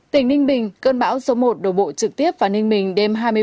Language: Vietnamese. tỉnh ninh bình cơn bão số một đổ bộ trực tiếp vào ninh bình đêm hai mươi bốn